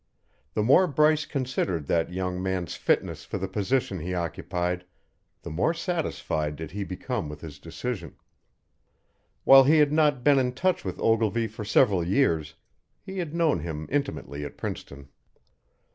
The more Bryce considered that young man's fitness for the position he occupied, the more satisfied did he become with his decision. While he had not been in touch with Ogilvy for several years, he had known him intimately at Princeton.